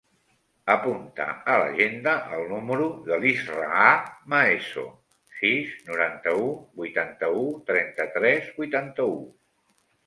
Apunta a l'agenda el número de l'Israa Maeso: sis, noranta-u, vuitanta-u, trenta-tres, vuitanta-u.